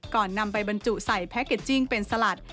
นำไปบรรจุใส่แพ็คเกจจิ้งเป็นสลัด